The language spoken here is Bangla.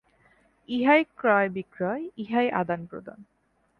ইহাই ক্রয়-বিক্রয়, ইহাই আদানপ্রদান।